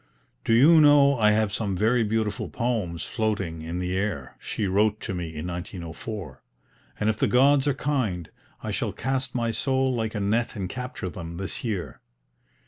"Do you know I have some very beautiful poems floating in the air," she wrote to me in 1904; "and if the gods are kind I shall cast my soul like a net and capture them, this year.